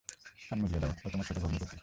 কান মলিয়া দাও, ও তোমার ছোটো ভগ্নীপতি।